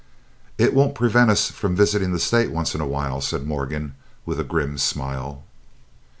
"It won't prevent us from visiting the state once in a while," said Morgan, with a grim smile.